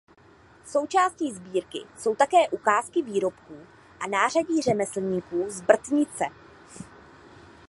Součástí sbírky jsou také ukázky výrobků a nářadí řemeslníků z Brtnice.